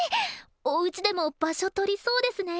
おうちでも場所とりそうですね。